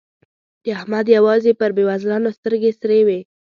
د احمد يوازې پر بېوزلانو سترګې سرې وي.